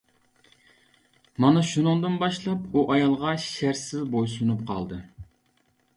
مانا شۇنىڭدىن باشلاپ ئۇ ئايالىغا شەرتسىز بويسۇنۇپ قالدى.